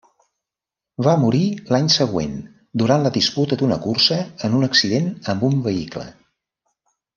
Va morir l'any següent durant la disputa d'una cursa en un accident amb un vehicle.